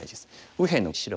右辺の白